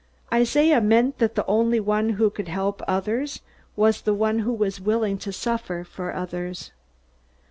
Isaiah meant that the only one who could help others was the one who was willing to suffer for others.